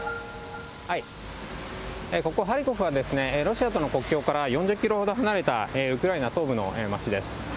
ここ、ハリコフは、ロシアとの国境から４０キロほど離れたウクライナ東部の街です。